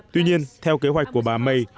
tuy nhiên theo kế hoạch của bà may